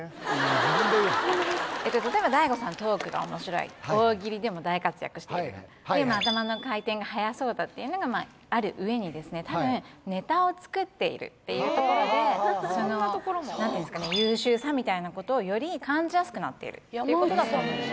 自分で言うな例えば大悟さんトークが面白い大喜利でも大活躍している頭の回転がはやそうだっていうのがある上にたぶんネタを作っているっていうところでその何ていうんですかね優秀さみたいなことをより感じやすくなっているっていうことだと思います